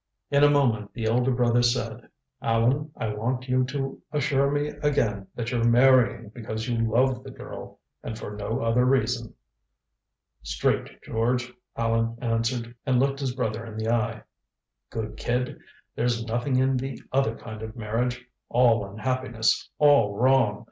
In a moment the elder brother said: "Allan, I want you to assure me again that you're marrying because you love the girl and for no other reason." "Straight, George," Allan answered, and looked his brother in the eye. "Good kid. There's nothing in the other kind of marriage all unhappiness all wrong.